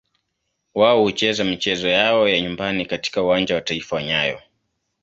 Wao hucheza michezo yao ya nyumbani katika Uwanja wa Taifa wa nyayo.